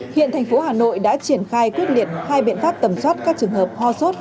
hiện thành phố hà nội đã triển khai quyết liệt hai biện pháp tầm soát các trường hợp ho sốt